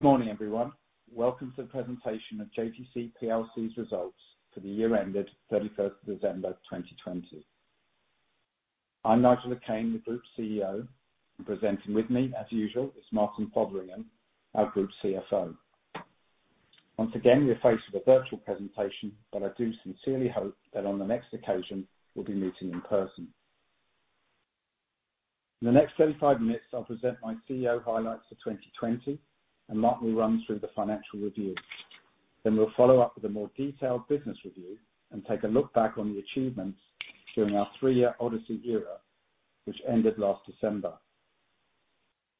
Morning, everyone. Welcome to the presentation of JTC PLC's results for the year ended 31st of December 2020. I'm Nigel Le Quesne, the Group CEO, and presenting with me, as usual, is Martin Fotheringham, our Group CFO. Once again, we are faced with a virtual presentation, but I do sincerely hope that on the next occasion, we'll be meeting in person. In the next 35 minutes, I'll present my CEO highlights for 2020 and Martin will run through the financial review. We'll follow up with a more detailed business review and take a look back on the achievements during our three-year Odyssey era, which ended last December.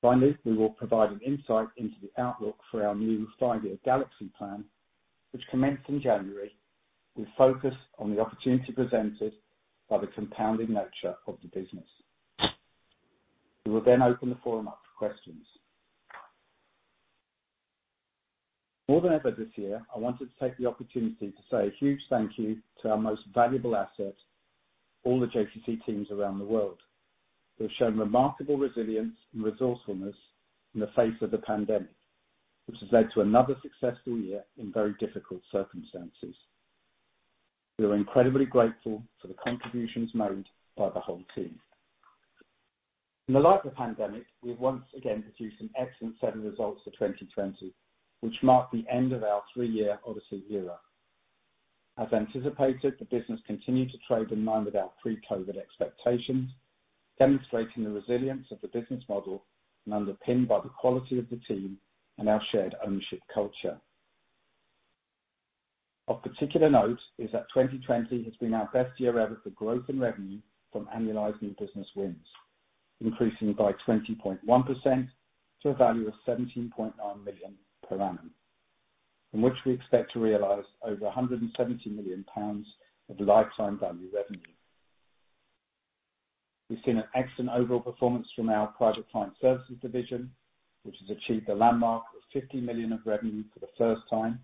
Finally, we will provide an insight into the outlook for our new five-year Galaxy Plan, which commenced in January. We focus on the opportunity presented by the compounding nature of the business. We will then open the forum up for questions. More than ever this year, I wanted to take the opportunity to say a huge thank you to our most valuable assets, all the JTC teams around the world, who have shown remarkable resilience and resourcefulness in the face of the pandemic, which has led to another successful year in very difficult circumstances. We are incredibly grateful for the contributions made by the whole team. In the light of the pandemic, we have once again produced some excellent set of results for 2020, which mark the end of our three-year Odyssey era. As anticipated, the business continued to trade in line with our pre-COVID expectations, demonstrating the resilience of the business model and underpinned by the quality of the team and our shared ownership culture. Of particular note is that 2020 has been our best year ever for growth in revenue from annualizing business wins, increasing by 20.1% to a value of 17.9 million per annum, from which we expect to realize over 170 million pounds of lifetime value revenue. We've seen an excellent overall performance from our Private Client Services division, which has achieved a landmark of 50 million of revenue for the first time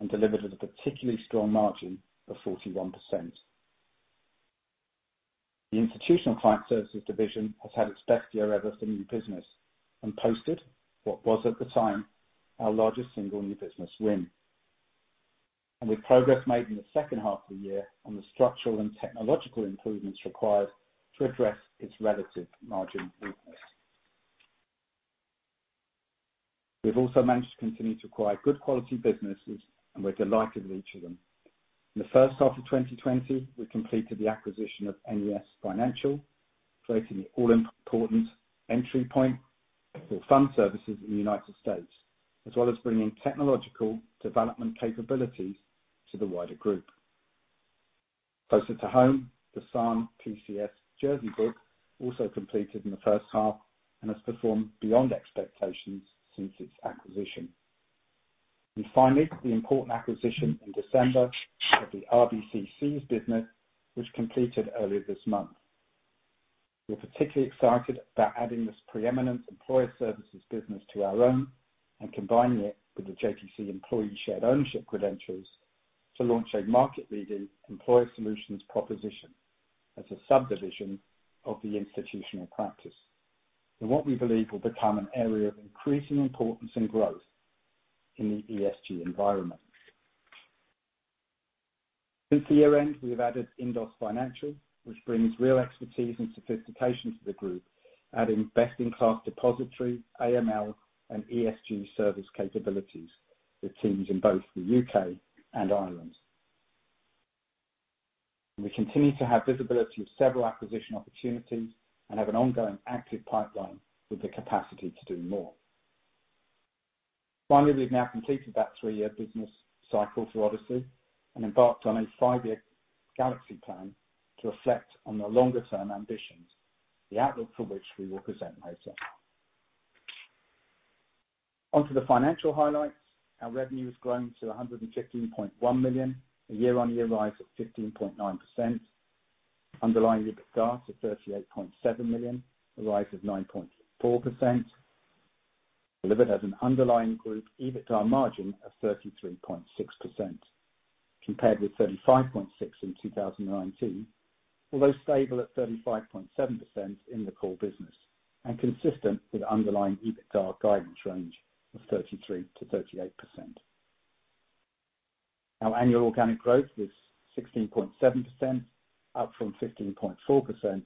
and delivered at a particularly strong margin of 41%. The Institutional Client Services division has had its best year ever for new business and posted what was at the time our largest single new business win. With progress made in the second half of the year on the structural and technological improvements required to address its relative margin weakness. We have also managed to continue to acquire good quality businesses, and we're delighted with each of them. In the first half of 2020, we completed the acquisition of NES Financial, creating the all-important entry point for fund services in the U.S., as well as bringing technological development capabilities to the wider group. Closer to home, the Sanne PCS Jersey book also completed in the first half and has performed beyond expectations since its acquisition. Finally, the important acquisition in December of the RBC cees business, which completed earlier this month. We are particularly excited about adding this preeminent employer services business to our own and combining it with the JTC employee shared ownership credentials to launch a market-leading employee solutions proposition as a subdivision of the Institutional practice in what we believe will become an area of increasing importance and growth in the ESG environment. Since year-end, we have added INDOS Financial, which brings real expertise and sophistication to the group, adding best-in-class depositary, AML, and ESG service capabilities with teams in both the U.K. and Ireland. We continue to have visibility of several acquisition opportunities and have an ongoing active pipeline with the capacity to do more. Finally, we've now completed that three-year business cycle through Odyssey and embarked on a five-year Galaxy plan to reflect on the longer-term ambitions, the outlook for which we will present later. On to the financial highlights. Our revenue has grown to 115.1 million, a year-on-year rise of 15.9%. Underlying EBITDA to 38.7 million, a rise of 9.4%, delivered as an underlying group EBITDA margin of 33.6% compared with 35.6% in 2019, although stable at 35.7% in the core business and consistent with underlying EBITDA guidance range of 33%-38%. Our annual organic growth was 16.7% up from 15.4%,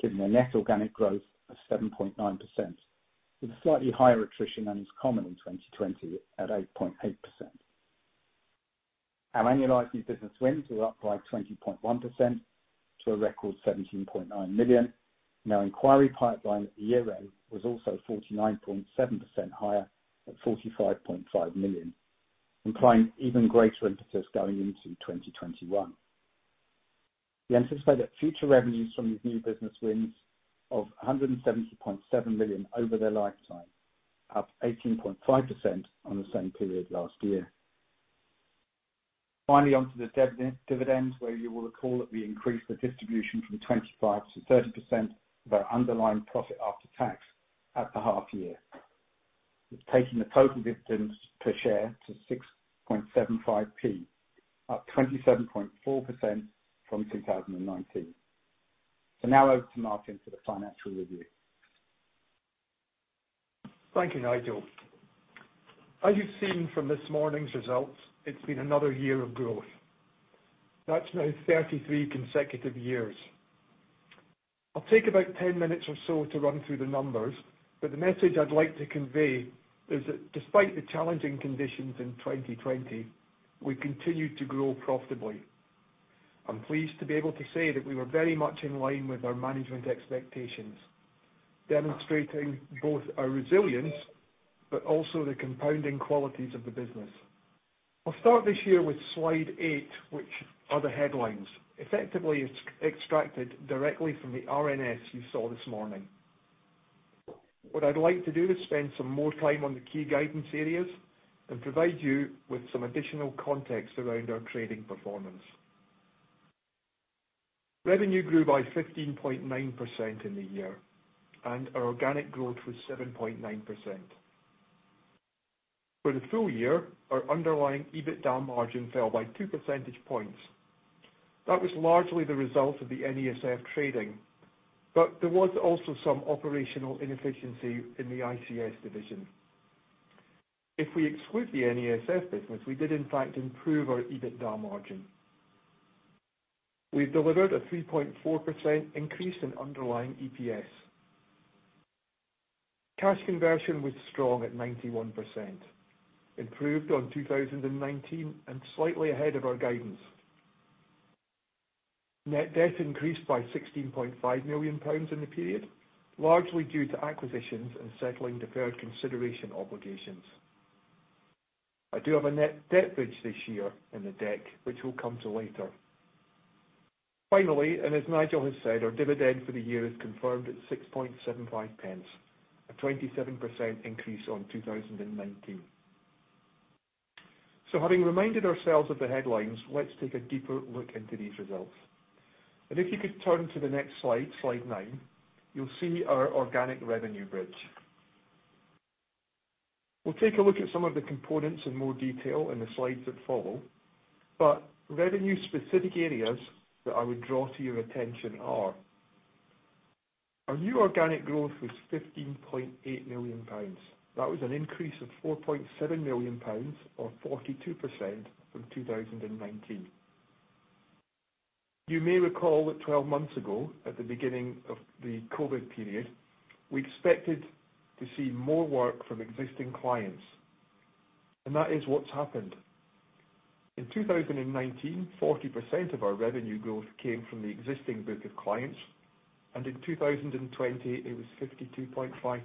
giving a net organic growth of 7.9% with a slightly higher attrition than is common in 2020 at 8.8%. Our annualized new business wins were up by 20.1% to a record 17.9 million. Our inquiry pipeline at year-end was also 49.7% higher at 45.5 million, implying even greater impetus going into 2021. We anticipate that future revenues from these new business wins of 170.7 million over their lifetime, up 18.5% on the same period last year. Finally, onto the dividend, where you will recall that we increased the distribution from 25% to 30% of our underlying profit after tax at the half year, thus taking the total dividends per share to 0.0675, up 27.4% from 2019. Now over to Martin for the financial review. Thank you, Nigel. As you've seen from this morning's results, it's been another year of growth. That's now 33 consecutive years. I'll take about 10 minutes or so to run through the numbers, but the message I'd like to convey is that despite the challenging conditions in 2020, we continued to grow profitably. I'm pleased to be able to say that we were very much in line with our management expectations, demonstrating both our resilience, but also the compounding qualities of the business. I'll start this year with slide eight, which are the headlines. Effectively, it's extracted directly from the RNS you saw this morning. What I'd like to do is spend some more time on the key guidance areas and provide you with some additional context around our trading performance. Revenue grew by 15.9% in the year, and our organic growth was 7.9%. For the full year, our underlying EBITDA margin fell by 2 percentage points. That was largely the result of the NESF trading, but there was also some operational inefficiency in the ICS division. If we exclude the NESF business, we did in fact improve our EBITDA margin. We've delivered a 3.4% increase in underlying EPS. Cash conversion was strong at 91%, improved on 2019, and slightly ahead of our guidance. Net debt increased by 16.5 million pounds in the period, largely due to acquisitions and settling deferred consideration obligations. I do have a net debt bridge this year in the deck, which we'll come to later. Finally, as Nigel has said, our dividend for the year is confirmed at 0.0675, a 27% increase on 2019. Having reminded ourselves of the headlines, let's take a deeper look into these results. If you could turn to the next slide nine, you'll see our organic revenue bridge. We'll take a look at some of the components in more detail in the slides that follow, but revenue specific areas that I would draw to your attention are: Our new organic growth was 15.8 million pounds. That was an increase of 4.7 million pounds, or 42% from 2019. You may recall that 12 months ago, at the beginning of the COVID period, we expected to see more work from existing clients, and that is what's happened. In 2019, 40% of our revenue growth came from the existing book of clients, and in 2020, it was 52.5%.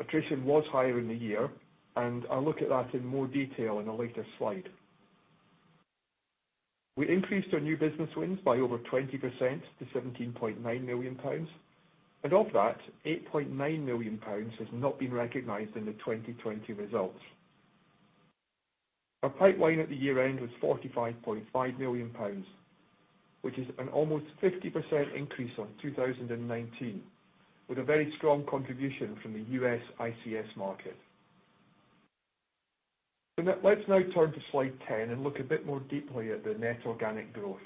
Attrition was higher in the year, and I'll look at that in more detail in a later slide. We increased our new business wins by over 20% to 17.9 million pounds. Of that, 8.9 million pounds has not been recognized in the 2020 results. Our pipeline at the year end was 45.5 million pounds, which is an almost 50% increase on 2019, with a very strong contribution from the U.S. ICS market. Let's now turn to slide 10 and look a bit more deeply at the net organic growth.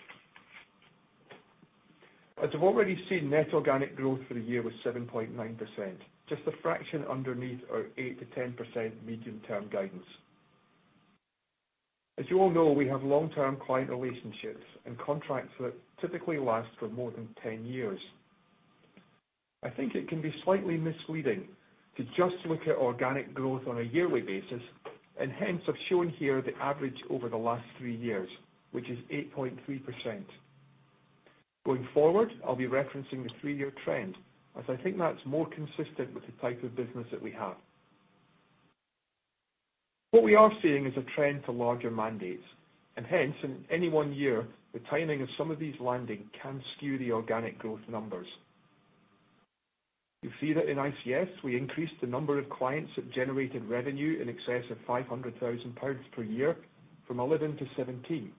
As you've already seen, net organic growth for the year was 7.9%, just a fraction underneath our 8%-10% medium-term guidance. As you all know, we have long-term client relationships and contracts that typically last for more than 10 years. I think it can be slightly misleading to just look at organic growth on a yearly basis, hence I've shown here the average over the last three years, which is 8.3%. Going forward, I'll be referencing the three-year trend, as I think that's more consistent with the type of business that we have. What we are seeing is a trend to larger mandates, and hence, in any one year, the timing of some of these landing can skew the organic growth numbers. You see that in ICS, we increased the number of clients that generated revenue in excess of 500,000 pounds per year from 11 to 17.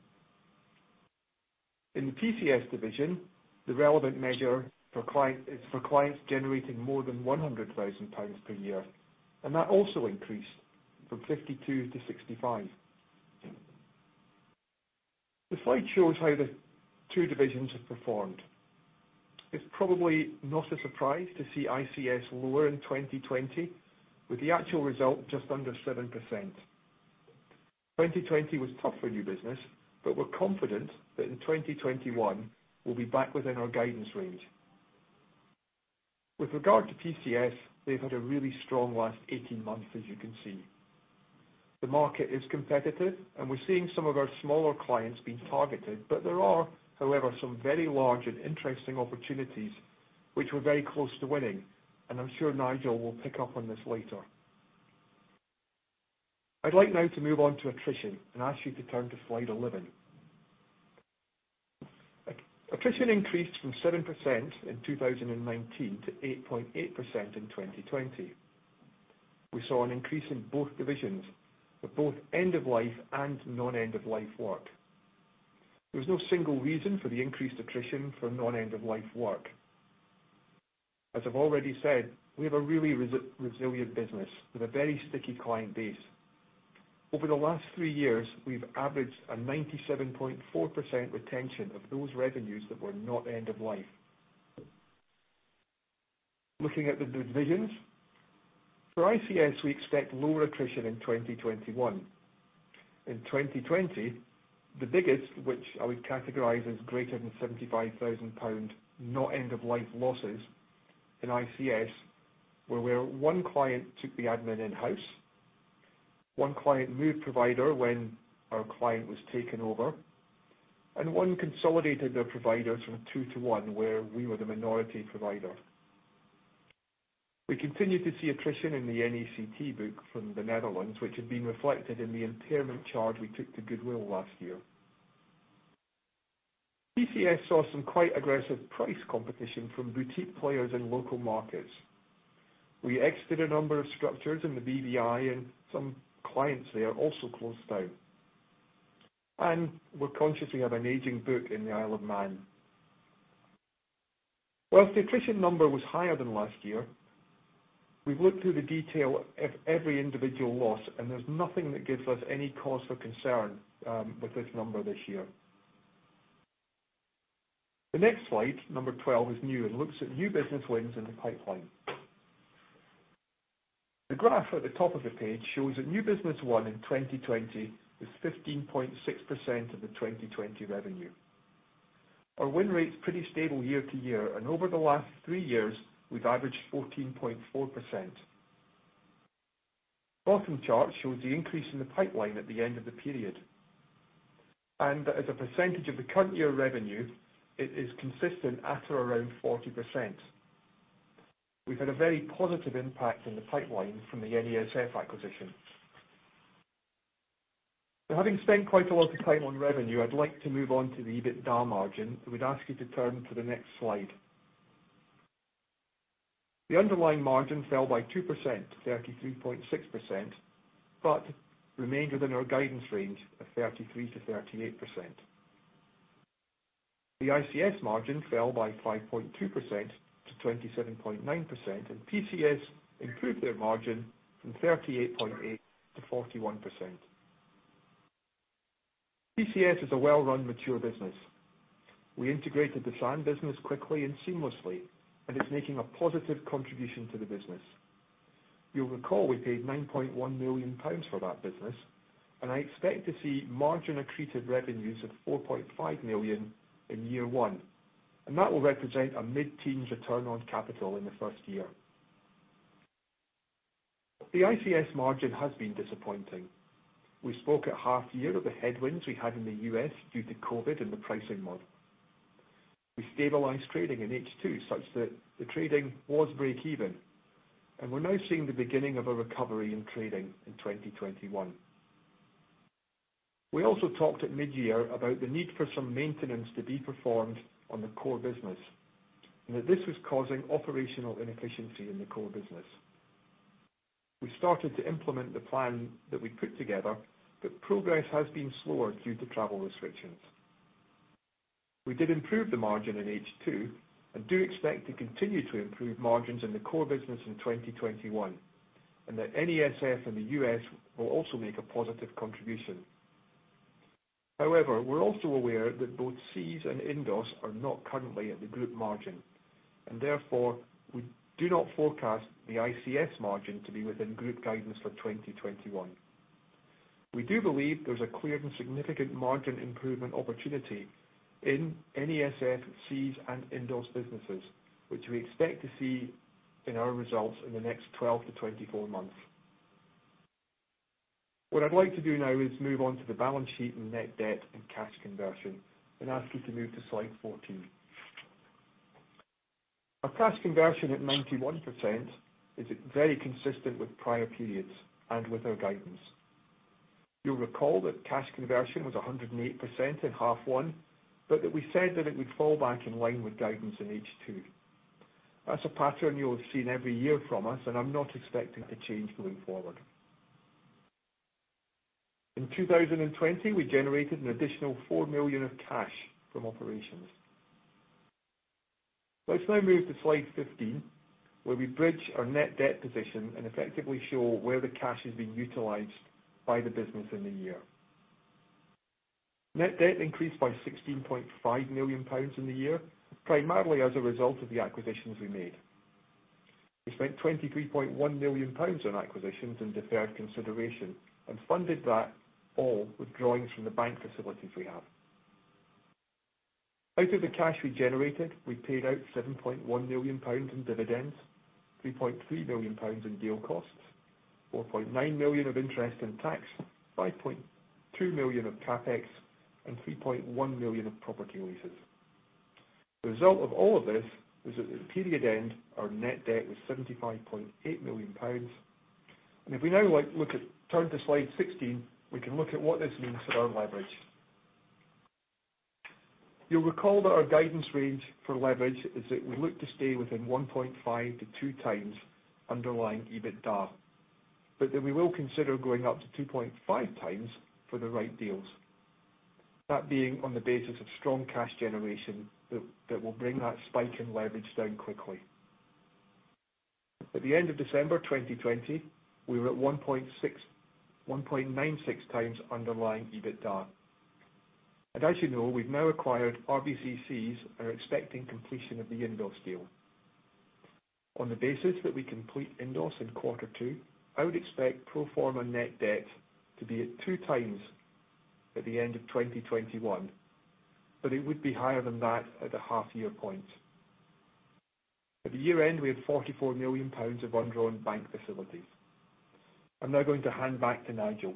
In the PCS division, the relevant measure is for clients generating more than 100,000 pounds per year, and that also increased from 52 to 65. The slide shows how the two divisions have performed. It's probably not a surprise to see ICS lower in 2020, with the actual result just under 7%. 2020 was tough for new business, but we're confident that in 2021, we'll be back within our guidance range. With regard to PCS, they've had a really strong last 18 months, as you can see. The market is competitive. We're seeing some of our smaller clients being targeted. There are, however, some very large and interesting opportunities which we're very close to winning, and I'm sure Nigel will pick up on this later. I'd like now to move on to attrition and ask you to turn to slide 11. Attrition increased from 7% in 2019 to 8.8% in 2020. We saw an increase in both divisions for both end-of-life and non-end-of-life work. There was no single reason for the increased attrition for non-end-of-life work. As I've already said, we have a really resilient business with a very sticky client base. Over the last three years, we've averaged a 97.4% retention of those revenues that were not end of life. Looking at the divisions. For ICS, we expect lower attrition in 2021. In 2020, the biggest, which I would categorize as greater than 75,000 pound, not end of life losses in ICS, were where one client took the admin in-house, one client moved provider when our client was taken over, and one consolidated their providers from two to one, where we were the minority provider. We continued to see attrition in the NACT book from the Netherlands, which had been reflected in the impairment charge we took to goodwill last year. PCS saw some quite aggressive price competition from boutique players in local markets. We exited a number of structures in the BVI, and some clients there also closed down. We're conscious we have an aging book in the Isle of Man. Whilst the attrition number was higher than last year, we've looked through the detail of every individual loss, and there's nothing that gives us any cause for concern with this number this year. The next slide, number 12, is new and looks at new business wins in the pipeline. The graph at the top of the page shows that new business won in 2020 was 15.6% of the 2020 revenue. Our win rate's pretty stable year to year. Over the last three years, we've averaged 14.4%. Bottom chart shows the increase in the pipeline at the end of the period. That as a percentage of the current year revenue, it is consistent at or around 40%. We've had a very positive impact in the pipeline from the NESF acquisition. Having spent quite a lot of time on revenue, I'd like to move on to the EBITDA margin. We'd ask you to turn to the next slide. The underlying margin fell by 2%-33.6%, but remained within our guidance range of 33%-38%. The ICS margin fell by 5.2%-27.9%, and PCS improved their margin from 38.8% to 41%. PCS is a well-run, mature business. We integrated the Sanne business quickly and seamlessly, and it's making a positive contribution to the business. You'll recall we paid 9.1 million pounds for that business, and I expect to see margin accretive revenues of 4.5 million in year one, and that will represent a mid-teens return on capital in the first year. The ICS margin has been disappointing. We spoke at half year of the headwinds we had in the U.S. due to COVID and the pricing model. We stabilized trading in H2 such that the trading was break even. We're now seeing the beginning of a recovery in trading in 2021. We also talked at mid-year about the need for some maintenance to be performed on the core business. This was causing operational inefficiency in the core business. We started to implement the plan that we put together. Progress has been slower due to travel restrictions. We did improve the margin in H2 and do expect to continue to improve margins in the core business in 2021. NESF in the U.S. will also make a positive contribution. We're also aware that both SEAS and INDOS are not currently at the group margin. Therefore, we do not forecast the ICS margin to be within group guidance for 2021. We do believe there's a clear and significant margin improvement opportunity in NESF, SEAS, and INDOS businesses, which we expect to see in our results in the next 12-24 months. What I'd like to do now is move on to the balance sheet and net debt and cash conversion, and ask you to move to slide 14. Our cash conversion at 91% is very consistent with prior periods and with our guidance. You'll recall that cash conversion was 108% in half one, but that we said that it would fall back in line with guidance in H2. That's a pattern you'll have seen every year from us, and I'm not expecting it to change going forward. In 2020, we generated an additional 4 million of cash from operations. Let's now move to slide 15, where we bridge our net debt position and effectively show where the cash is being utilized by the business in the year. Net debt increased by 16.5 million pounds in the year, primarily as a result of the acquisitions we made. We spent 23.1 million pounds on acquisitions and deferred consideration and funded that all with drawings from the bank facilities we have. Out of the cash we generated, we paid out 7.1 million pounds in dividends, 3.3 million pounds in deal costs, 4.9 million of interest and tax, 5.2 million of CapEx, and 3.1 million of property leases. The result of all of this is at the period end, our net debt was 75.8 million pounds. If we now turn to slide 16, we can look at what this means for our leverage. You'll recall that our guidance range for leverage is that we look to stay within 1.5-2x underlying EBITDA. We will consider going up to 2.5x for the right deals. That being on the basis of strong cash generation that will bring that spike in leverage down quickly. At the end of December 2020, we were at 1.96x underlying EBITDA. As you know, we've now acquired RBC cees and are expecting completion of the INDOS deal. On the basis that we complete INDOS in quarter two, I would expect pro forma net debt to be at 2x at the end of 2021, but it would be higher than that at the half-year point. At the year-end, we had 44 million pounds of undrawn bank facilities. I'm now going to hand back to Nigel.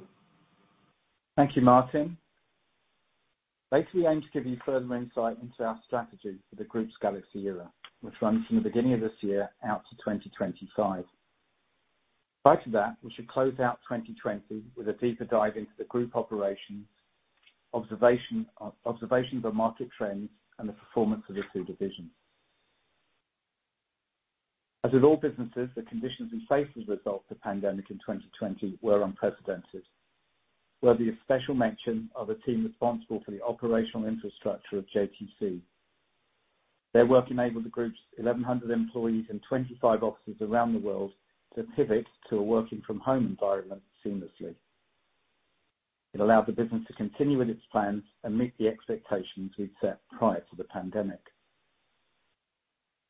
Thank you, Martin. Later we aim to give you further insight into our strategy for the Group's Galaxy era, which runs from the beginning of this year out to 2025. Prior to that, we should close out 2020 with a deeper dive into the group operations, observation of market trends, and the performance of the two divisions. As with all businesses, the conditions we faced as a result of the pandemic in 2020 were unprecedented. Worthy of special mention are the team responsible for the operational infrastructure of JTC. Their work enabled the Group's 1,100 employees in 25 offices around the world to pivot to a working from home environment seamlessly. It allowed the business to continue with its plans and meet the expectations we'd set prior to the pandemic.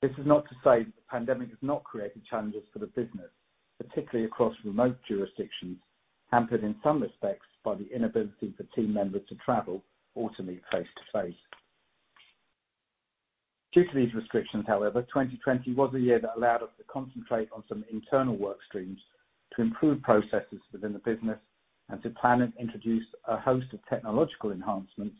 This is not to say that the pandemic has not created challenges for the business, particularly across remote jurisdictions, hampered in some respects by the inability for team members to travel or to meet face-to-face. Due to these restrictions, however, 2020 was a year that allowed us to concentrate on some internal work streams to improve processes within the business and to plan and introduce a host of technological enhancements,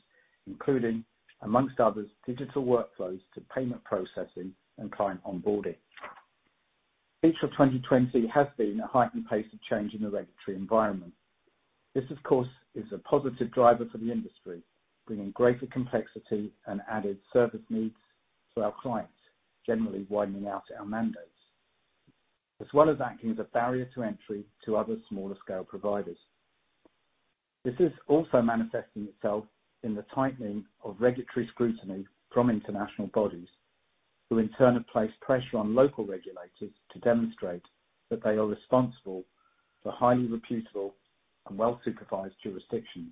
including, amongst others, digital workflows to payment processing and client onboarding. A feature of 2020 has been a heightened pace of change in the regulatory environment. This, of course, is a positive driver for the industry, bringing greater complexity and added service needs to our clients, generally widening out our mandates, as well as acting as a barrier to entry to other smaller-scale providers. This is also manifesting itself in the tightening of regulatory scrutiny from international bodies, who in turn have placed pressure on local regulators to demonstrate that they are responsible for highly reputable and well-supervised jurisdictions.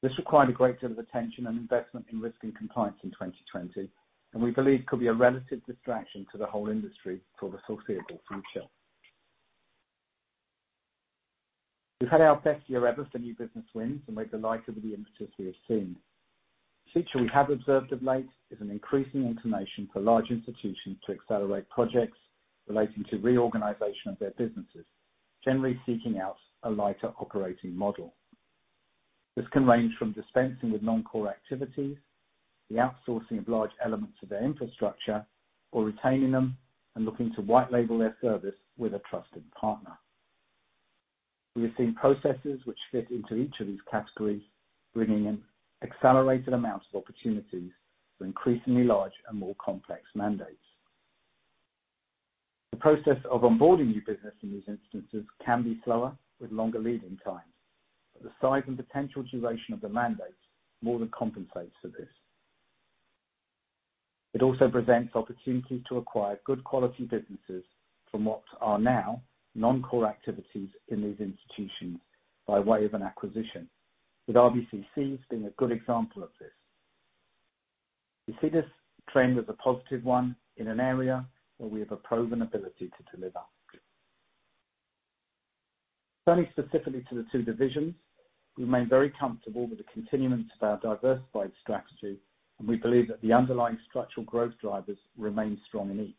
This required a great deal of attention and investment in risk and compliance in 2020, and we believe could be a relative distraction to the whole industry for the foreseeable future. We've had our best year ever for new business wins and we're delighted with the impetus we have seen. A feature we have observed of late is an increasing inclination for large institutions to accelerate projects relating to reorganization of their businesses, generally seeking out a lighter operating model. This can range from dispensing with non-core activities, the outsourcing of large elements of their infrastructure, or retaining them and looking to white label their service with a trusted partner. We have seen processes which fit into each of these categories, bringing in accelerated amounts of opportunities for increasingly large and more complex mandates. The process of onboarding new business in these instances can be slower, with longer leading times, but the size and potential duration of the mandate more than compensates for this. It also presents opportunities to acquire good quality businesses from what are now non-core activities in these institutions by way of an acquisition, with RBC cees has been a good example of this. We see this trend as a positive one in an area where we have a proven ability to deliver. Turning specifically to the two divisions, we remain very comfortable with the continuance of our diversified strategy, and we believe that the underlying structural growth drivers remain strong in each.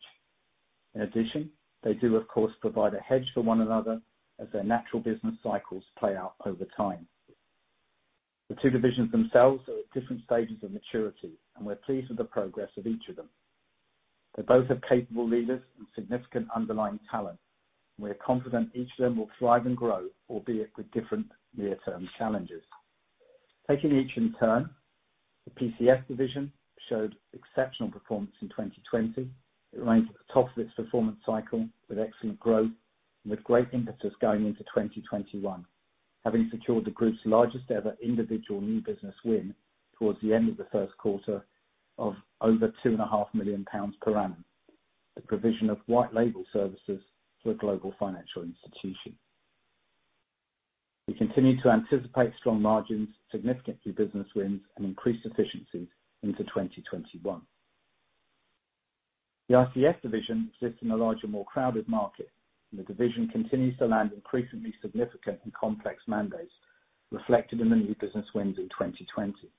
In addition, they do, of course, provide a hedge for one another as their natural business cycles play out over time. The two divisions themselves are at different stages of maturity, and we're pleased with the progress of each of them. They both have capable leaders and significant underlying talent. We are confident each of them will thrive and grow, albeit with different near-term challenges. Taking each in turn, the PCS division showed exceptional performance in 2020. It remains at the top of its performance cycle with excellent growth and with great impetus going into 2021, having secured the group's largest ever individual new business win towards the end of the first quarter of over 2.5 million pounds per annum. The provision of white label services to a global financial institution. We continue to anticipate strong margins, significant new business wins, and increased efficiencies into 2021. The ICS division sits in a larger, more crowded market, and the division continues to land increasingly significant and complex mandates, reflected in the new business wins in 2020.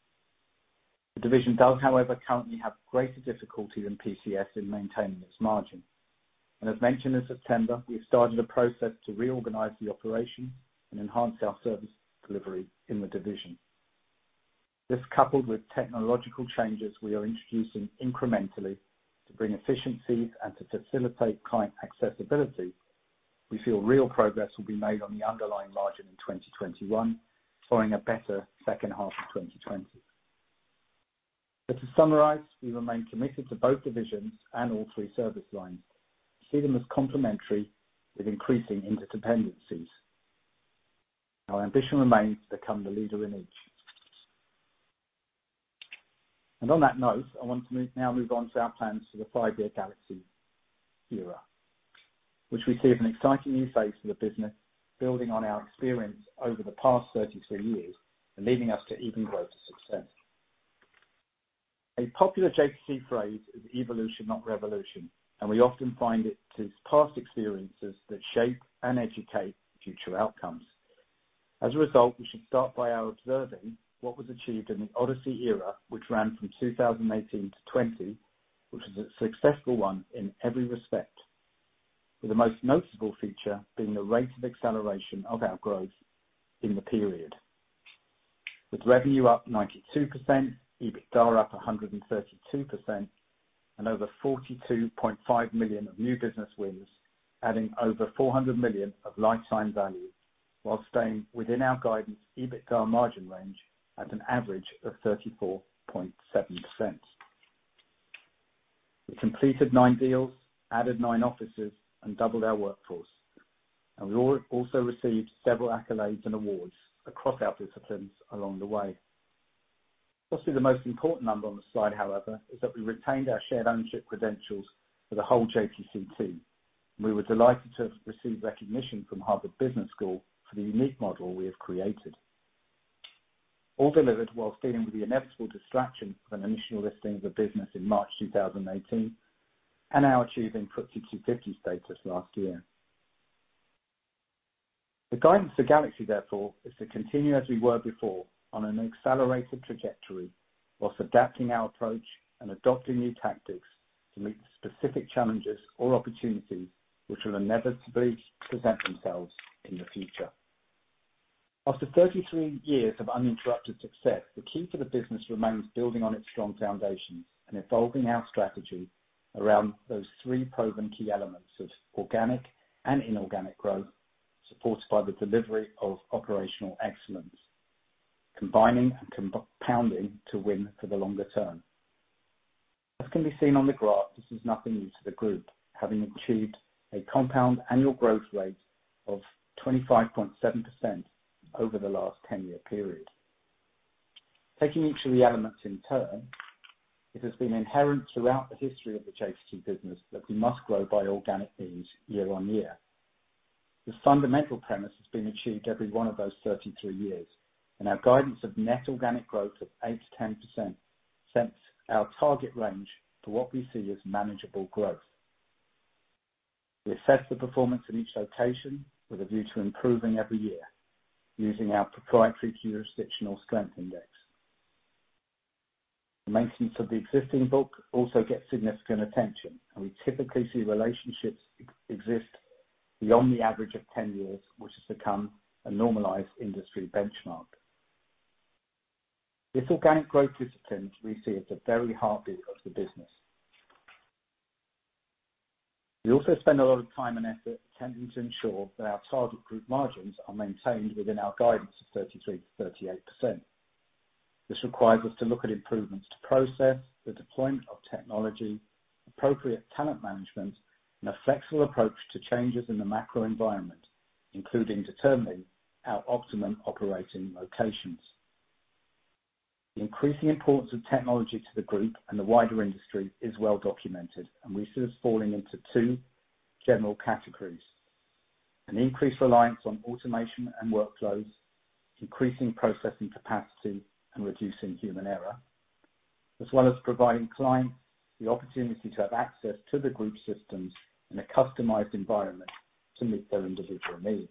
The division does, however, currently have greater difficulty than PCS in maintaining its margin. As mentioned in September, we have started a process to reorganize the operation and enhance our service delivery in the division. This coupled with technological changes we are introducing incrementally to bring efficiencies and to facilitate client accessibility. We feel real progress will be made on the underlying margin in 2021, following a better second half of 2020. To summarize, we remain committed to both divisions and all three service lines. See them as complementary with increasing interdependencies. Our ambition remains to become the leader in each. On that note, I want to now move on to our plans for the five-year Galaxy era, which we see as an exciting new phase for the business, building on our experience over the past 33 years and leading us to even greater success. A popular JTC phrase is evolution, not revolution, and we often find it is past experiences that shape and educate future outcomes. As a result, we should start by our observing what was achieved in the Odyssey era, which ran from 2018 to 2020, which was a successful one in every respect, with the most noticeable feature being the rate of acceleration of our growth in the period. With revenue up 92%, EBITDA up 132%, and over 42.5 million of new business wins, adding over 400 million of lifetime value while staying within our guidance EBITDA margin range at an average of 34.7%. We completed nine deals, added nine offices, and doubled our workforce, and we also received several accolades and awards across our disciplines along the way. Possibly the most important number on the slide, however, is that we retained our shared ownership credentials for the whole JTC team, and we were delighted to have received recognition from Harvard Business School for the unique model we have created. All delivered while dealing with the inevitable distraction from an initial listing of the business in March 2018 and now achieving FTSE 250 status last year. The guidance for Galaxy, therefore, is to continue as we were before on an accelerated trajectory while adapting our approach and adopting new tactics to meet specific challenges or opportunities which will inevitably present themselves in the future. After 33 years of uninterrupted success, the key to the business remains building on its strong foundations and evolving our strategy around those three proven key elements of organic and inorganic growth, supported by the delivery of operational excellence, combining and compounding to win for the longer-term. As can be seen on the graph, this is nothing new to the group, having achieved a compound annual growth rate of 25.7% over the last 10-year period. Taking each of the elements in turn, it has been inherent throughout the history of the JTC business that we must grow by organic means year on year. This fundamental premise has been achieved every one of those 33 years, and our guidance of net organic growth of 8%-10% sets our target range to what we see as manageable growth. We assess the performance of each location with a view to improving every year using our proprietary jurisdictional strength index. The maintenance of the existing book also gets significant attention, and we typically see relationships exist beyond the average of 10 years, which has become a normalized industry benchmark. This organic growth discipline we see as the very heartbeat of the business. We also spend a lot of time and effort attempting to ensure that our target group margins are maintained within our guidance of 33%-38%. This requires us to look at improvements to process, the deployment of technology, appropriate talent management, and a flexible approach to changes in the macro environment, including determining our optimum operating locations. The increasing importance of technology to the group and the wider industry is well documented, and we see this falling into two general categories: an increased reliance on automation and workflows, increasing processing capacity, and reducing human error, as well as providing clients the opportunity to have access to the group systems in a customized environment to meet their individual needs.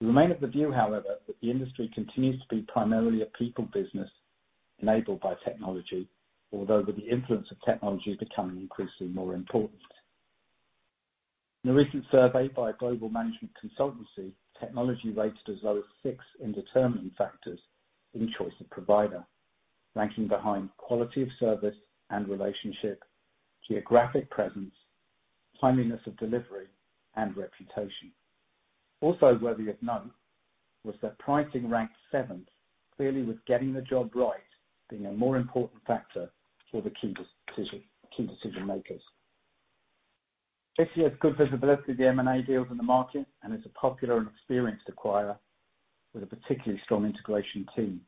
We remain of the view, however, that the industry continues to be primarily a people business enabled by technology, although with the influence of technology becoming increasingly more important. In a recent survey by a global management consultancy, technology rated as low as sixth in determining factors in choice of provider, ranking behind quality of service and relationship, geographic presence, timeliness of delivery, and reputation. Also worthy of note was that pricing Ranked 7th, clearly with getting the job right being a more important factor for the key decision makers. JTC has good visibility of the M&A deals in the market and is a popular and experienced acquirer with a particularly strong integration team.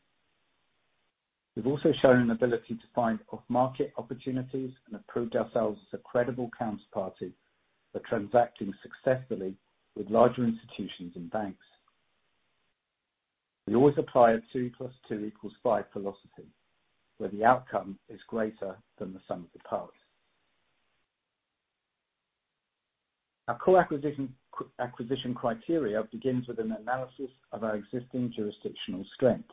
We've also shown an ability to find off-market opportunities and have proved ourselves as a credible counterparty for transacting successfully with larger institutions and banks. We always apply a 2+2=5 philosophy, where the outcome is greater than the sum of the parts. Our core acquisition criteria begins with an analysis of our existing jurisdictional strength,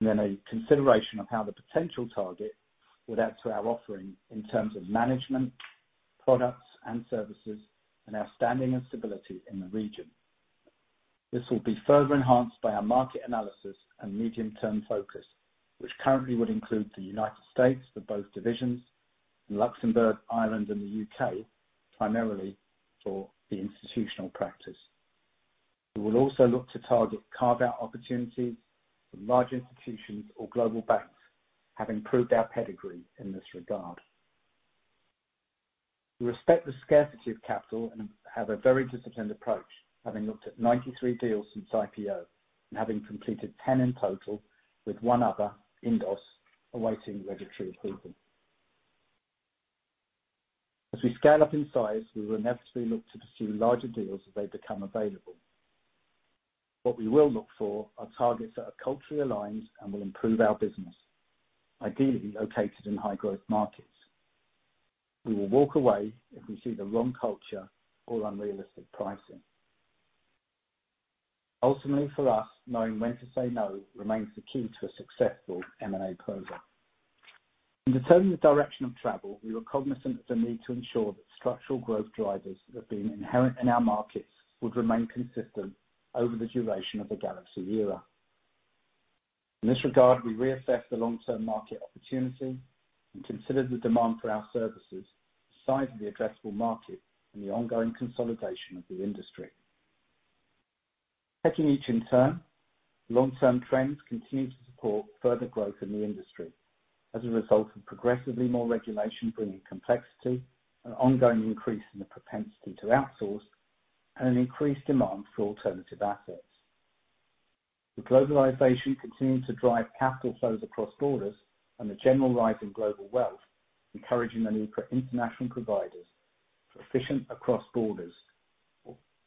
and then a consideration of how the potential target will add to our offering in terms of management, products and services, and our standing and stability in the region. This will be further enhanced by our market analysis and medium-term focus, which currently would include the United States for both divisions and Luxembourg, Ireland, and the U.K., primarily for the Institutional practice. We will also look to target carve-out opportunities from large institutions or global banks, having proved our pedigree in this regard. We respect the scarcity of capital and have a very disciplined approach, having looked at 93 deals since IPO and having completed 10 in total with one other, INDOS, awaiting regulatory approval. As we scale up in size, we will inevitably look to pursue larger deals as they become available. What we will look for are targets that are culturally aligned and will improve our business, ideally located in high-growth markets. We will walk away if we see the wrong culture or unrealistic pricing. Ultimately, for us, knowing when to say no remains the key to a successful M&A program. In determining the direction of travel, we were cognizant of the need to ensure that structural growth drivers that have been inherent in our markets would remain consistent over the duration of the Galaxy era. In this regard, we reassessed the long-term market opportunity and considered the demand for our services, the size of the addressable market, and the ongoing consolidation of the industry. Taking each in turn, long-term trends continue to support further growth in the industry as a result of progressively more regulation bringing complexity, an ongoing increase in the propensity to outsource, and an increased demand for alternative assets. The globalization continued to drive capital flows across borders and the general rise in global wealth, encouraging the need for international providers proficient across borders,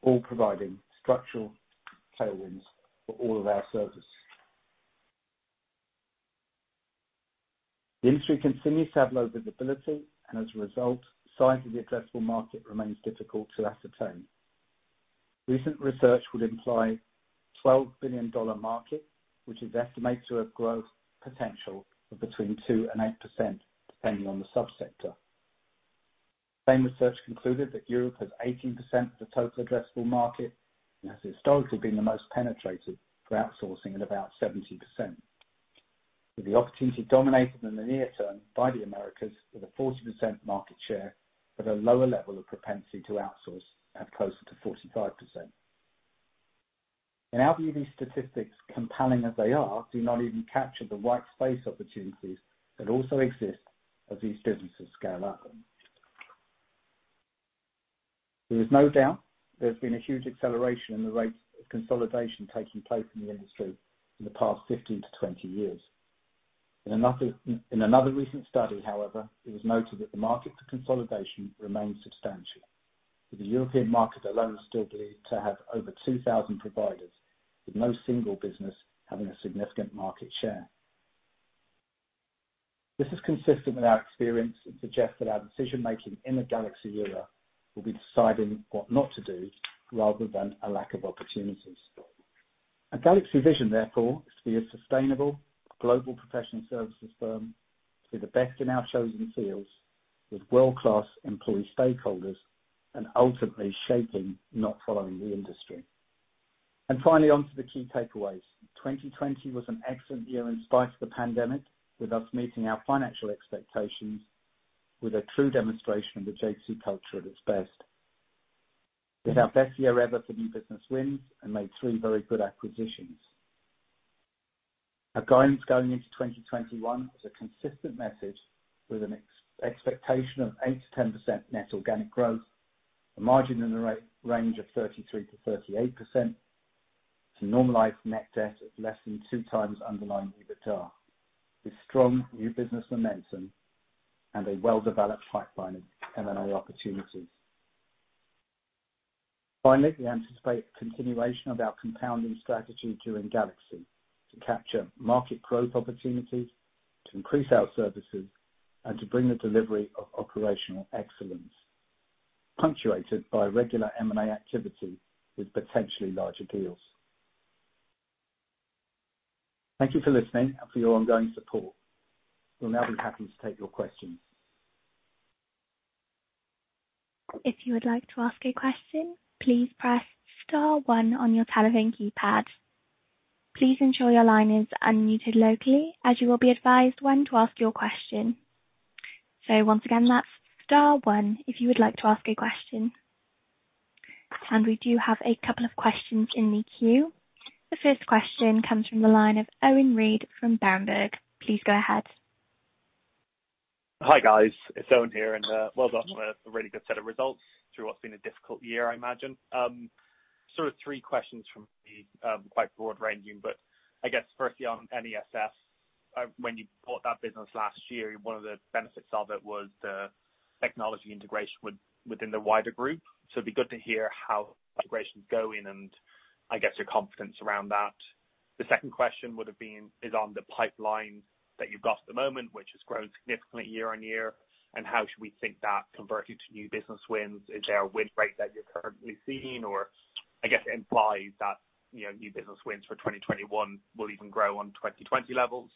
all providing structural tailwinds for all of our services. The industry continues to have low visibility, and as a result, size of the addressable market remains difficult to ascertain. Recent research would imply a $12 billion market, which is estimated to have growth potential of between 2% and 8%, depending on the subsector. Same research concluded that Europe has 18% of the total addressable market and has historically been the most penetrated for outsourcing at about 70%, with the opportunity dominated in the near-term by the Americas, with a 40% market share but a lower level of propensity to outsource at closer to 45%. In our view, these statistics, compelling as they are, do not even capture the white space opportunities that also exist as these businesses scale up. There is no doubt there's been a huge acceleration in the rate of consolidation taking place in the industry in the past 15 to 20 years. In another recent study, however, it was noted that the market for consolidation remains substantial, with the European market alone still believed to have over 2,000 providers, with no single business having a significant market share. This is consistent with our experience and suggests that our decision-making in the Galaxy era will be deciding what not to do rather than a lack of opportunities. Our Galaxy vision, therefore, is to be a sustainable, global professional services firm, be the best in our chosen fields, with world-class employee stakeholders, and ultimately shaping, not following the industry. Finally, onto the key takeaways. 2020 was an excellent year in spite of the pandemic, with us meeting our financial expectations with a true demonstration of the JTC culture at its best. It's our best year ever for new business wins and made three very good acquisitions. Our guidance going into 2021 is a consistent message with an expectation of 8%-10% net organic growth, a margin in the range of 33%-38%, to normalized net debt of less than 2x underlying EBITDA, with strong new business momentum and a well-developed pipeline of M&A opportunities. Finally, we anticipate the continuation of our compounding strategy during Galaxy to capture market growth opportunities, to increase our services, and to bring the delivery of operational excellence, punctuated by regular M&A activity with potentially larger deals. Thank you for listening and for your ongoing support. We'll now be happy to take your questions. We do have a couple of questions in the queue. The first question comes from the line of Owen Reid from Berenberg. Please go ahead. Hi, guys. It's Owen here. Well done on a really good set of results through what's been a difficult year, I imagine. Sort of three questions from me, quite broad-ranging. I guess firstly on NESF, when you bought that business last year, one of the benefits of it was the technology integration within the wider group. It'd be good to hear how that integration is going and I guess your confidence around that. The second question would have been is on the pipeline that you've got at the moment, which has grown significantly year-on-year. How should we think that converting to new business wins? Is there a win rate that you're currently seeing or, I guess, implies that new business wins for 2021 will even grow on 2020 levels?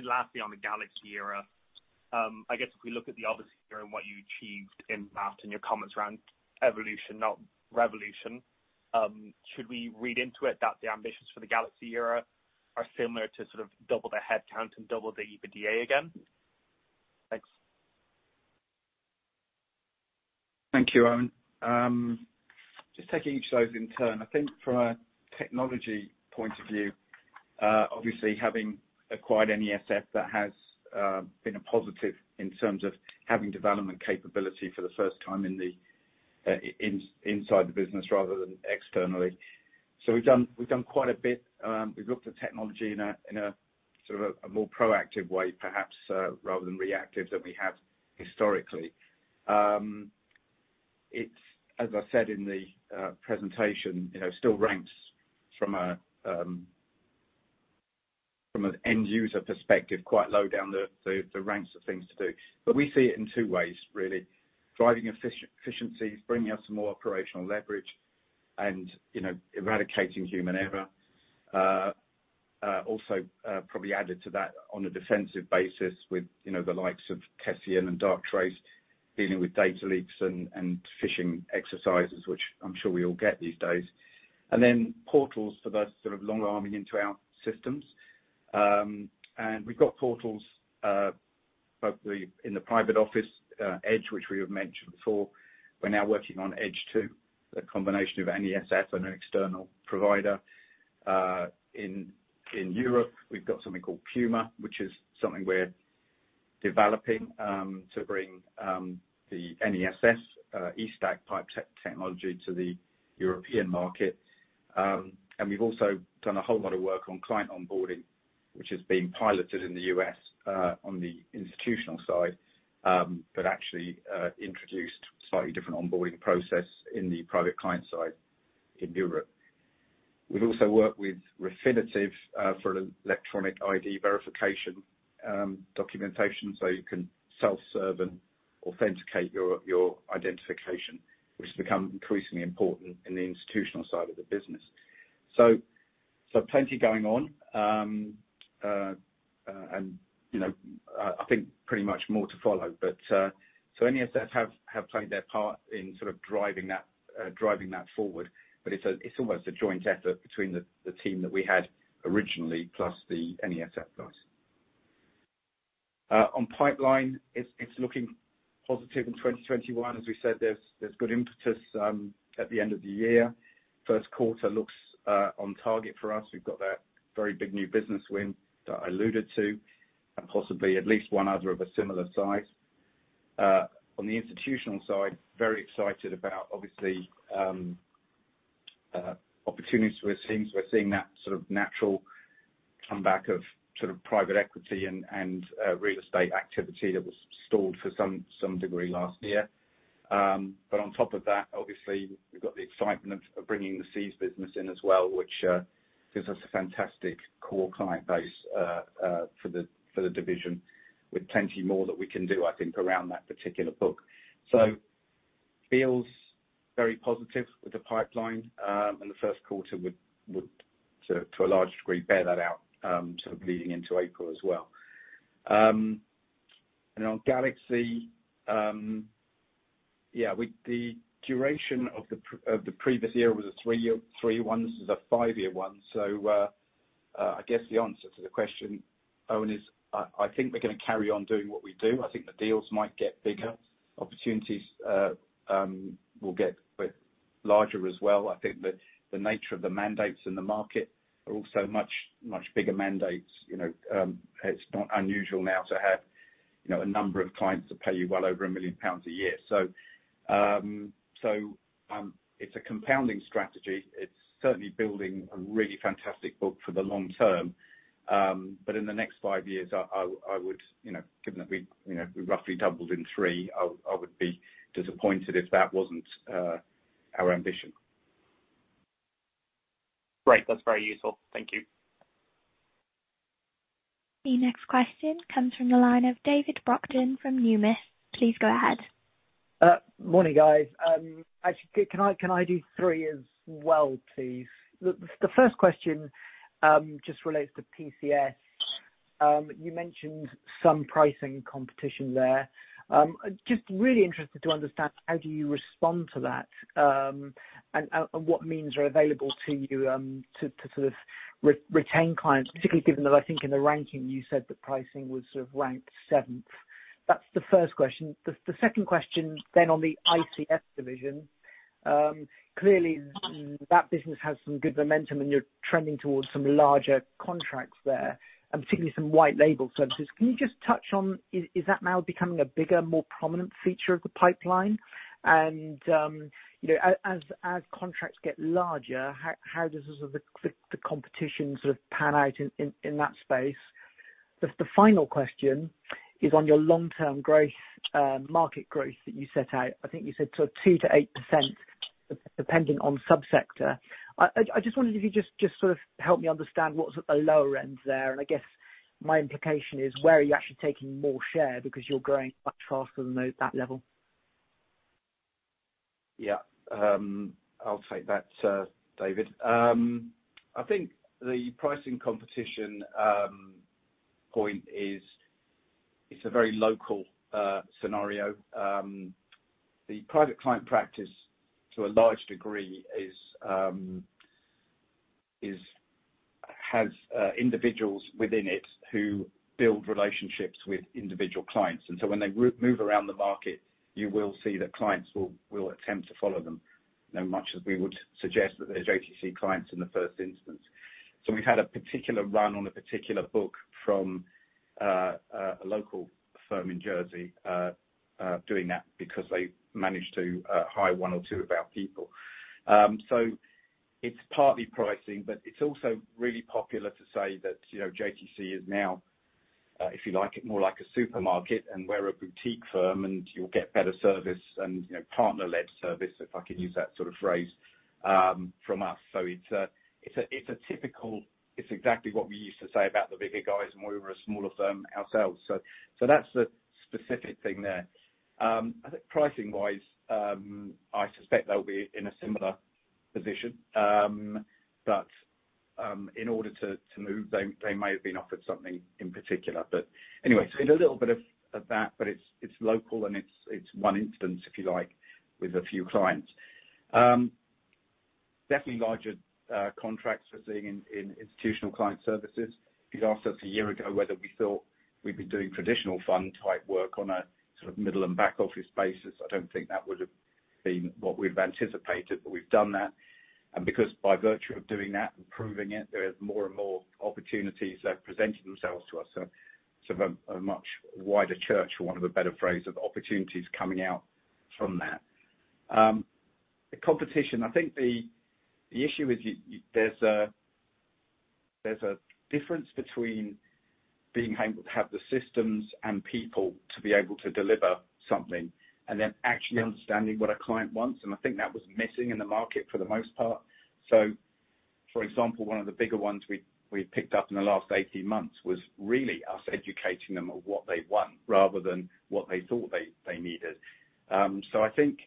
Lastly, on the Galaxy era, I guess if we look at the obvious here and what you achieved in that and your comments around evolution, not revolution, should we read into it that the ambitions for the Galaxy era are similar to sort of double the headcount and double the EBITDA again? Thanks. Thank you, Owen. Taking each of those in turn. I think from a technology point of view, obviously having acquired NESF, that has been a positive in terms of having development capability for the first time inside the business rather than externally. We've done quite a bit. We've looked at technology in a more proactive way, perhaps, rather than reactive that we have historically. It, as I said in the presentation, still ranks from an end-user perspective, quite low down the ranks of things to do. We see it in two ways, really. Driving efficiencies, bringing us more operational leverage and eradicating human error. Also, probably added to that on a defensive basis with the likes of Calian and Darktrace dealing with data leaks and phishing exercises, which I'm sure we all get these days. Portals for the sort of long arming into our systems. We've got portals, both in the private office, Edge, which we have mentioned before. We're now working on Edge 2.0, a combination of NESF and an external provider. In Europe, we've got something called Puma, which is something we're developing to bring the NESF eSTAC pipe technology to the European market. We've also done a whole lot of work on client onboarding, which has been piloted in the U.S. on the Institutional side. Actually introduced a slightly different onboarding process in the Private Client side in Europe. We've also worked with Refinitiv for electronic ID verification documentation, so you can self-serve and authenticate your identification, which has become increasingly important in the Institutional side of the business. Plenty going on. I think pretty much more to follow. NESF have played their part in sort of driving that forward. It's almost a joint effort between the team that we had originally, plus the NESF guys. On pipeline, it's looking positive in 2021. As we said, there's good impetus at the end of the year. first quarter looks on target for us. We've got that very big new business win that I alluded to, and possibly at least one other of a similar size. On the Institutional side, very excited about obviously opportunities we're seeing. We're seeing that sort of natural comeback of private equity and real estate activity that was stalled to some degree last year. On top of that, obviously, we've got the excitement of bringing the SEAS business in as well, which gives us a fantastic core client base for the division, with plenty more that we can do, I think, around that particular book. Feels very positive with the pipeline. The first quarter would, to a large degree, bear that out leading into April as well. On Galaxy era, the duration of the previous year was a three-year one. This is a five-year one. I guess the answer to the question, Owen, is I think we're going to carry on doing what we do. I think the deals might get bigger. Opportunities will get larger as well. I think the nature of the mandates in the market are also much bigger mandates. It's not unusual now to have a number of clients that pay you well over 1 million pounds a year. It's a compounding strategy. It's certainly building a really fantastic book for the long-term. In the next five years, given that we roughly doubled in three, I would be disappointed if that wasn't our ambition. Great. That's very useful. Thank you. The next question comes from the line of David Brockton from Numis. Please go ahead. Morning, guys. Actually, can I do three as well, please? The first question just relates to PCS. You mentioned some pricing competition there. Just really interested to understand how do you respond to that, and what means are available to you to retain clients, particularly given that I think in the ranking, you said that pricing was sort of Ranked 7th. That's the first question. The second question on the ICS division. Clearly, that business has some good momentum and you're trending towards some larger contracts there, and particularly some white label services. Can you just touch on, is that now becoming a bigger, more prominent feature of the pipeline? As contracts get larger, how does the competition pan out in that space? The final question is on your long-term market growth that you set out. I think you said 2%-8%, depending on subsector. I just wondered if you could just help me understand what's at the lower end there. I guess my implication is where are you actually taking more share because you're growing much faster than that level? I'll take that, David. I think the pricing competition point is it's a very local scenario. The Private Client practice to a large degree has individuals within it who build relationships with individual clients. When they move around the market, you will see that clients will attempt to follow them, much as we would suggest that there's JTC clients in the first instance. We've had a particular run on a particular book from a local firm in Jersey doing that because they managed to hire one or two of our people. It's partly pricing, but it's also really popular to say that JTC is now, if you like, more like a supermarket and we're a boutique firm, and you'll get better service and partner-led service, if I can use that sort of phrase, from us. It's exactly what we used to say about the bigger guys when we were a smaller firm ourselves. That's the specific thing there. I think pricing-wise, I suspect they'll be in a similar position. In order to move, they may have been offered something in particular. Anyway, a little bit of that, but it's local and it's one instance, if you like, with a few clients. Definitely larger contracts we're seeing in Institutional Client Services. If you'd asked us a year ago whether we thought we'd be doing traditional fund type work on a sort of middle and back office basis, I don't think that would've been what we've anticipated. We've done that. Because by virtue of doing that and proving it, there is more and more opportunities that have presented themselves to us. Sort of a much wider church, for want of a better phrase, of opportunities coming out from that. The competition, I think the issue is there's a difference between being able to have the systems and people to be able to deliver something and then actually understanding what a client wants. I think that was missing in the market for the most part. For example, one of the bigger ones we've picked up in the last 18 months was really us educating them on what they want rather than what they thought they needed. I think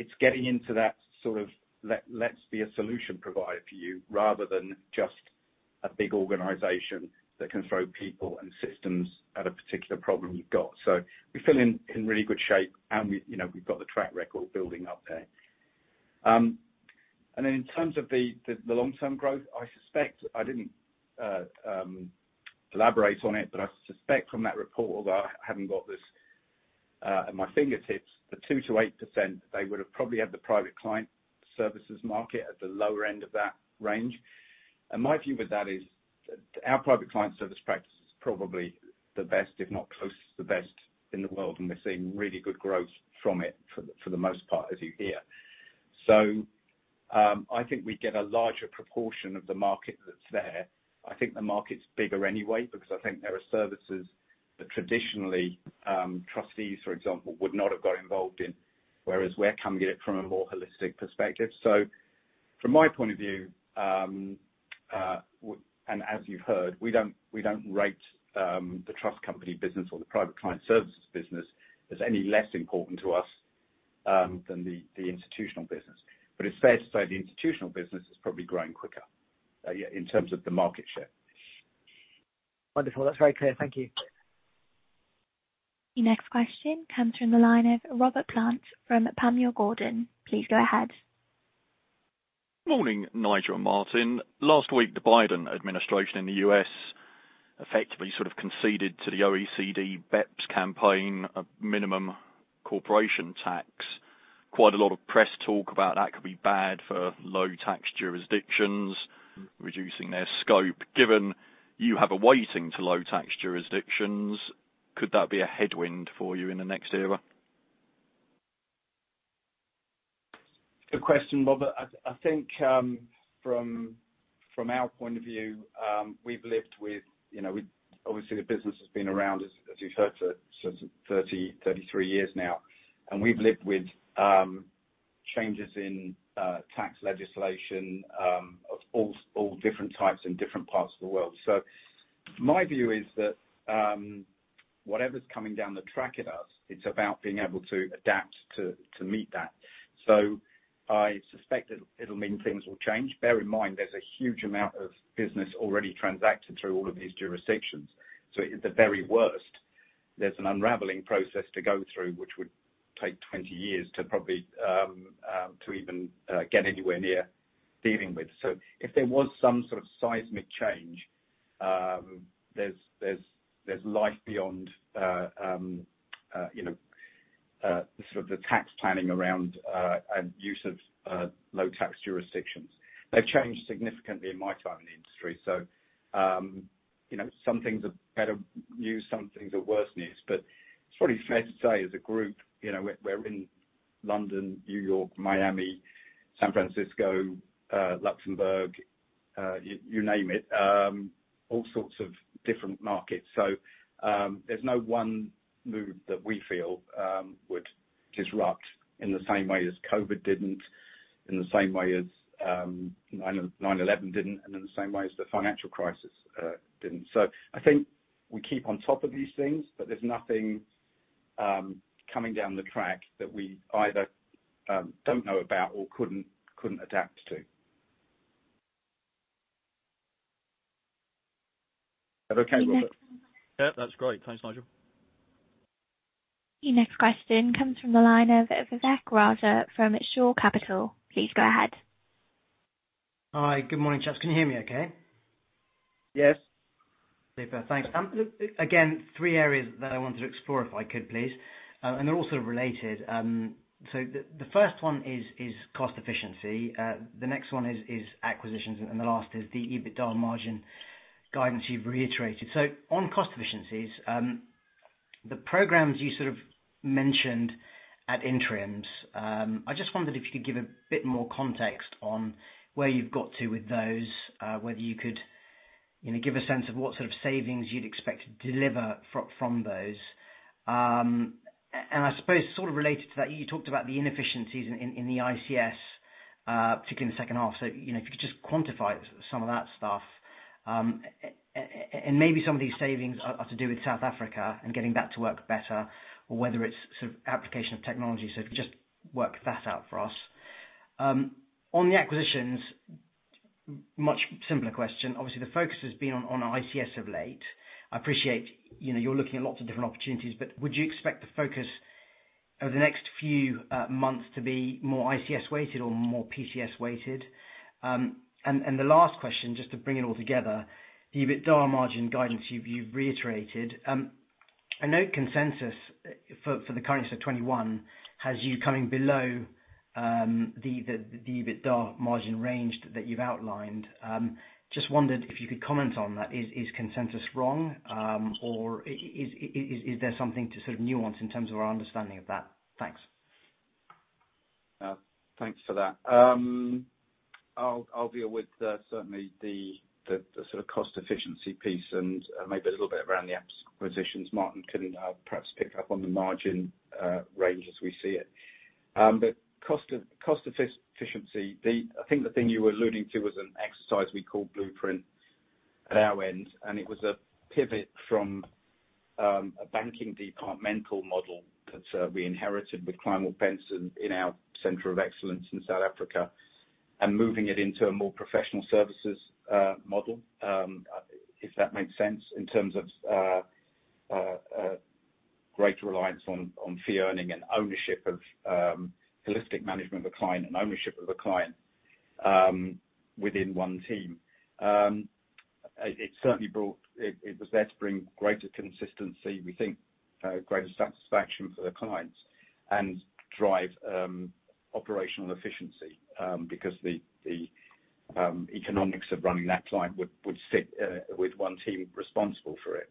it's getting into that sort of, let's be a solution provider for you rather than just a big organization that can throw people and systems at a particular problem you've got. We feel in really good shape, and we've got the track record building up there. In terms of the long-term growth, I suspect I didn't elaborate on it, but I suspect from that report, although I haven't got this at my fingertips, the 2%-8%, they would've probably had the Private Client Services market at the lower end of that range. My view with that is our Private Client Services practice is probably the best, if not close to the best in the world, and we're seeing really good growth from it for the most part, as you hear. I think we get a larger proportion of the market that's there. I think the market's bigger anyway because I think there are services that traditionally, trustees, for example, would not have got involved in. Whereas we're coming at it from a more holistic perspective. From my point of view, and as you've heard, we don't rate the trust company business or the Private Client Services business as any less important to us, than the Institutional business. It's fair to say the Institutional business is probably growing quicker, yeah, in terms of the market share. Wonderful. That's very clear. Thank you. Your next question comes from the line of Robert Plant from Panmure Gordon. Please go ahead. Morning, Nigel and Martin. Last week, the Biden administration in the U.S. effectively sort of conceded to the OECD BEPS campaign a minimum corporation tax. Quite a lot of press talk about that could be bad for low tax jurisdictions, reducing their scope. Given you have a weighting to low tax jurisdictions, could that be a headwind for you in the next Era? Good question, Robert. I think from our point of view, obviously the business has been around, as you've heard, for 33 years now. We've lived with changes in tax legislation of all different types in different parts of the world. My view is that whatever's coming down the track at us, it's about being able to adapt to meet that. I suspect it'll mean things will change. Bear in mind, there's a huge amount of business already transacted through all of these jurisdictions. At the very worst, there's an unraveling process to go through, which would take 20 years to even get anywhere near dealing with. If there was some sort of seismic change, there's life beyond the sort of the tax planning around use of low tax jurisdictions. They've changed significantly in my time in the industry. Some things are better news, some things are worse news. It's probably fair to say as a group, we're in London, New York, Miami, San Francisco, Luxembourg, you name it, all sorts of different markets. There's no one move that we feel would disrupt in the same way as COVID didn't, in the same way as 9/11 didn't, and in the same way as the financial crisis didn't. I think we keep on top of these things, but there's nothing coming down the track that we either don't know about or couldn't adapt to. Is that okay, Robert? Yeah, that's great. Thanks, Nigel. Your next question comes from the line of Vivek Raja from Shore Capital. Please go ahead. Hi. Good morning, gents. Can you hear me okay? Yes. Super. Thanks. Three areas that I wanted to explore, if I could, please. They're all sort of related. The first one is cost efficiency, the next one is acquisitions, and the last is the EBITDA margin guidance you've reiterated. On cost efficiencies, the programs you sort of mentioned at interims, I just wondered if you could give a bit more context on where you've got to with those, whether you could give a sense of what sort of savings you'd expect to deliver from those. I suppose sort of related to that, you talked about the inefficiencies in the ICS, particularly in the second half. If you could just quantify some of that stuff. Maybe some of these savings are to do with South Africa and getting that to work better or whether it's sort of application of technology. If you could just work that out for us. On the acquisitions, much simpler question. Obviously, the focus has been on ICS of late. I appreciate you're looking at lots of different opportunities, but would you expect the focus over the next few months to be more ICS weighted or more PCS weighted? The last question, just to bring it all together, the EBITDA margin guidance you've reiterated. I know consensus for the current set of 2021 has you coming below the EBITDA margin range that you've outlined. Just wondered if you could comment on that. Is consensus wrong? Or is there something to sort of nuance in terms of our understanding of that? Thanks. Thanks for that. I'll deal with certainly the sort of cost efficiency piece and maybe a little bit around the acquisitions. Martin can perhaps pick up on the margin range as we see it. Cost efficiency, I think the thing you were alluding to was an exercise we called Blueprint at our end, and it was a pivot from a banking departmental model that we inherited with Kleinwort Benson in our center of excellence in South Africa and moving it into a more professional services model, if that makes sense, in terms of greater reliance on fee earning and ownership of holistic management of a client and ownership of a client within one team. It was there to bring greater consistency, we think greater satisfaction for the clients and drive operational efficiency because the economics of running that client would sit with one team responsible for it.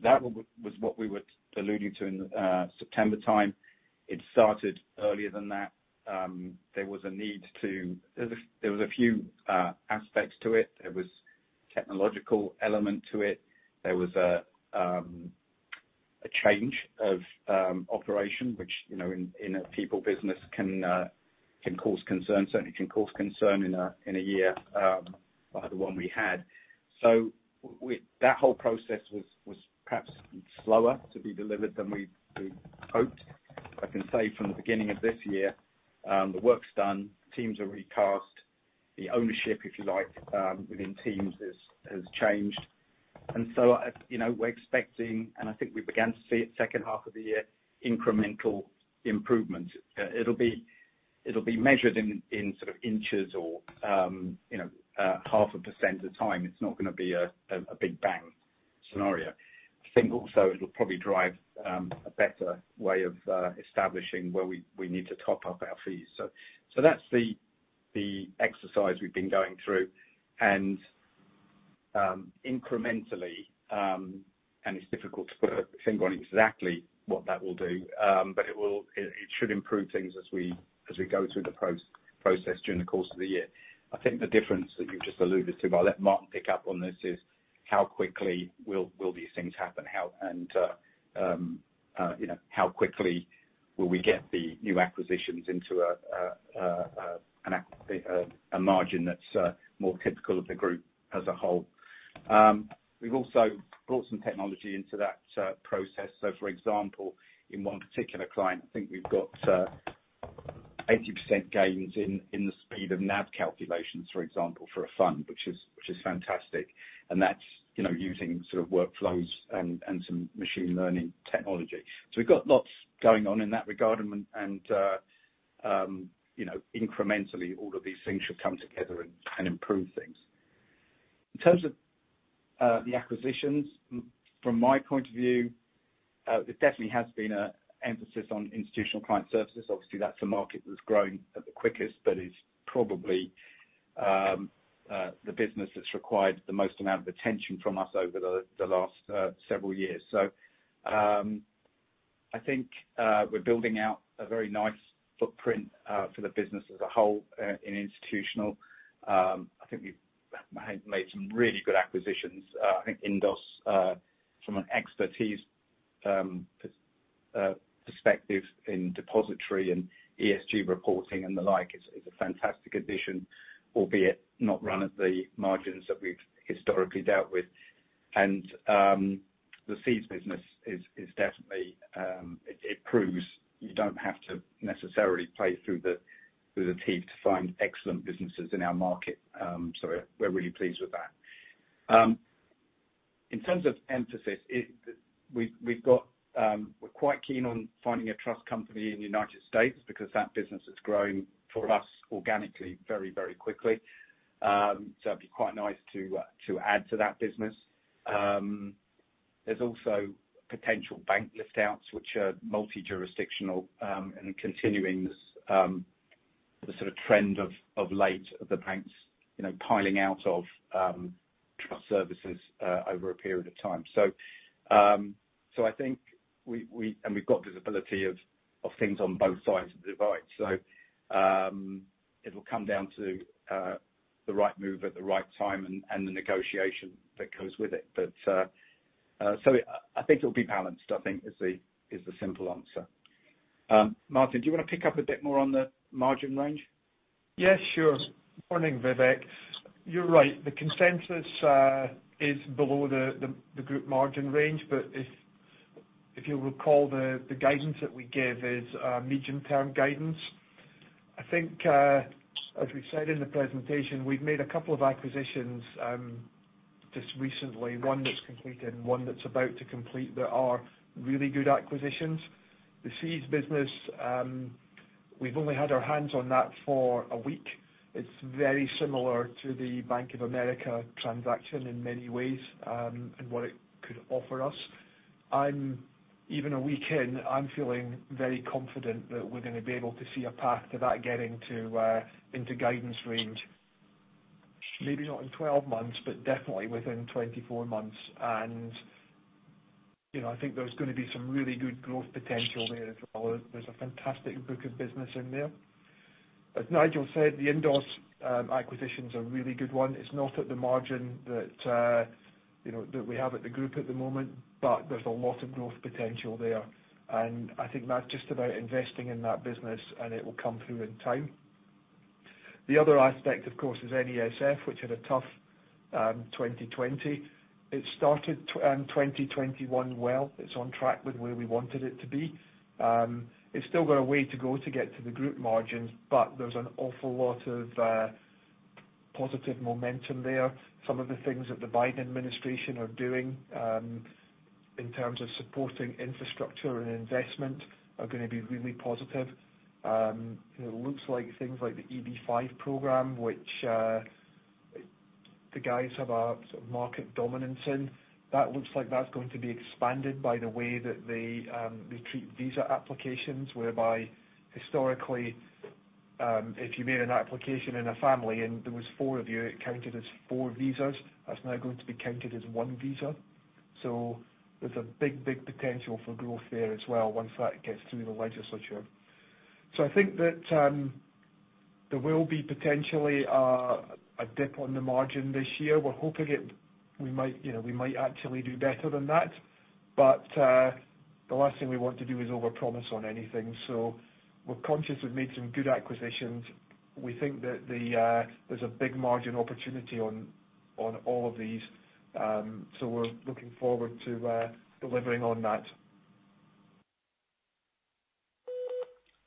That was what we were alluding to in September time. It started earlier than that. There was a few aspects to it. There was technological element to it. There was a change of operation, which in a people business can cause concern, certainly can cause concern in a year like the one we had. That whole process was perhaps slower to be delivered than we'd hoped. I can say from the beginning of this year, the work's done. Teams are recast. The ownership, if you like, within teams has changed. We're expecting, and I think we began to see it second half of the year, incremental improvement. It'll be measured in sort of inches or half a percent a time. It's not going to be a big bang scenario. I think also it'll probably drive a better way of establishing where we need to top up our fees. That's the exercise we've been going through and incrementally, and it's difficult to put a finger on exactly what that will do. It should improve things as we go through the process during the course of the year. I think the difference that you've just alluded to, but I'll let Martin pick up on this, is how quickly will these things happen and how quickly will we get the new acquisitions into a margin that's more typical of the group as a whole. We've also brought some technology into that process. For example, in one particular client, I think we've got 80% gains in the speed of NAV calculations, for example, for a fund, which is fantastic. That's using sort of workflows and some machine learning technology. We've got lots going on in that regard. Incrementally, all of these things should come together and improve things. In terms of the acquisitions, from my point of view, there definitely has been an emphasis on Institutional Client Services. Obviously, that's a market that's growing at the quickest, but is probably the business that's required the most amount of attention from us over the last several years. I think we're building out a very nice footprint for the business as a whole in Institutional. I think we've made some really good acquisitions. I think INDOS, from an expertise perspective in depositary and ESG reporting and the like, is a fantastic addition, albeit not run at the margins that we've historically dealt with. The SEAS business, it proves you don't have to necessarily play through the teeth to find excellent businesses in our market. We're really pleased with that. In terms of emphasis, we're quite keen on finding a trust company in the U.S. because that business has grown for us organically, very, very quickly. It'd be quite nice to add to that business. There's also potential bank lift-outs, which are multi-jurisdictional, and continuing the sort of trend of late of the banks piling out of trust services over a period of time. We've got visibility of things on both sides of the divide. It'll come down to the right move at the right time and the negotiation that goes with it. I think it'll be balanced, I think is the simple answer. Martin, do you want to pick up a bit more on the margin range? Yes, sure. Morning, Vivek. You're right. The consensus is below the group margin range. If you'll recall the guidance that we give is medium-term guidance. I think, as we said in the presentation, we've made a couple of acquisitions just recently. One that's completed and one that's about to complete, that are really good acquisitions. The Seeds business, we've only had our hands on that for a week. It's very similar to the Bank of America transaction in many ways, and what it could offer us. Even a week in, I'm feeling very confident that we're going to be able to see a path to that getting into guidance range. Maybe not in 12 months, but definitely within 24 months. I think there's going to be some really good growth potential there as well. There's a fantastic book of business in there. As Nigel said, the INDOS acquisition's a really good one. It's not at the margin that we have at the group at the moment, but there's a lot of growth potential there. I think that's just about investing in that business, and it will come through in time. The other aspect, of course, is NESF, which had a tough 2020. It started 2021 well. It's on track with where we wanted it to be. It's still got a way to go to get to the group margins, but there's an awful lot of positive momentum there. Some of the things that the Biden administration are doing in terms of supporting infrastructure and investment are going to be really positive. It looks like things like the EB-5 program, which the guys have a sort of market dominance in. That looks like that's going to be expanded by the way that they treat visa applications, whereby historically if you made an application in a family and there was four of you, it counted as four visas. That's now going to be counted as one visa. There's a big, big potential for growth there as well once that gets through the legislature. I think that there will be potentially a dip on the margin this year. We're hoping we might actually do better than that. The last thing we want to do is overpromise on anything. We're conscious we've made some good acquisitions. We think that there's a big margin opportunity on all of these. We're looking forward to delivering on that.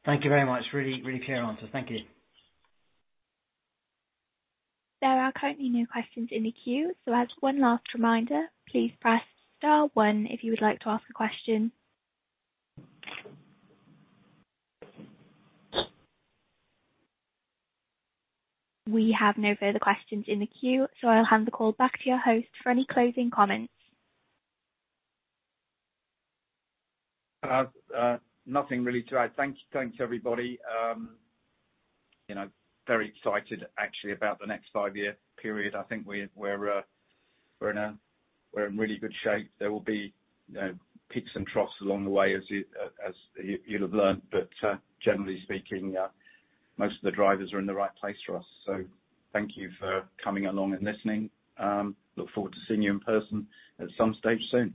Thank you very much. Really clear answer. Thank you. There are currently no questions in the queue. As one last reminder, please press star one if you would like to ask a question. We have no further questions in the queue, I'll hand the call back to your host for any closing comments. Nothing really to add. Thanks, everybody. Very excited actually about the next five-year period. I think we're in really good shape. There will be peaks and troughs along the way, as you'd have learned. Generally speaking, most of the drivers are in the right place for us. Thank you for coming along and listening. Look forward to seeing you in person at some stage soon.